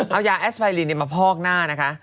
เอายาแอสไยลินมาพอกหน้านะคะ